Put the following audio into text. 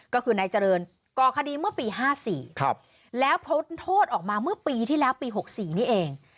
ก็คือนายเจริญก่อคดีเมื่อปี๕๔แล้วพ้นโทษออกมาเมื่อปีที่แล้วปี๖๔นี่เอง